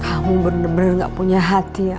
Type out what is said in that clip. kamu bener bener ga punya hati ya